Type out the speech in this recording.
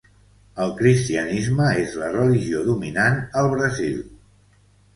El cristianisme és la religió dominant al Brasil.